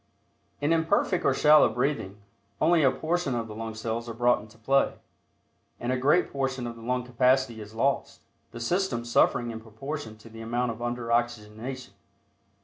In imperfect or shallow breathing, only a portion of the lung cells are brought into play, and a great portion of the lung capacity is lost, the system suffering in proportion to the amount of under oxygenation.